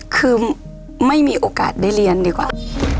คือไม่มีโอกาสได้เรียนดีกว่า